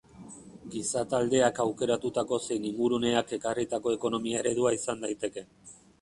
Gizataldeak aukeratutako zein inguruneak ekarritako ekonomia-eredua izan daiteke.